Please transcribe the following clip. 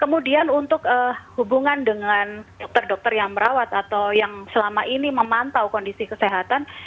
kemudian untuk hubungan dengan dokter dokter yang merawat atau yang selama ini memantau kondisi kesehatan